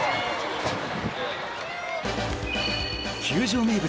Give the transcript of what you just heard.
球場名物